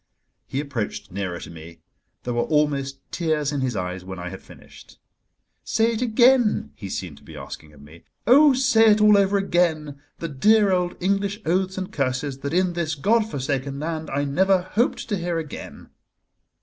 He approached nearer to me; there were almost tears in his eyes when I had finished. "Say it again!" he seemed to be asking of me. "Oh! say it all over again, the dear old English oaths and curses that in this God forsaken land I never hoped to hear again."